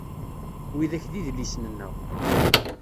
Widak d idlisen-nneɣ.